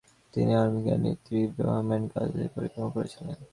তিনি হারিমকে এন্টিওকের তৃতীয় বোহেমন্ডের কাছে হস্তান্তরের পরিকল্পনা করছিলেন।